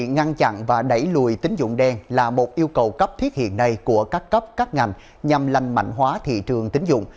ngăn chặn và đẩy lùi tín dụng đen là một yêu cầu cấp thiết hiện nay của các cấp các ngành nhằm lành mạnh hóa thị trường tính dụng